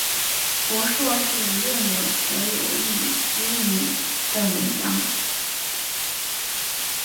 博硕士论文则有李诗莹等文章。